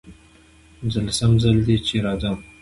پنځلسم ځل دی چې راځم.